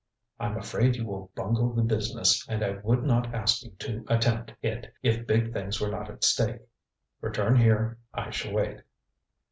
I'm afraid you will bungle the business, and I would not ask you to attempt it if big things were not at stake. Return here; I shall wait.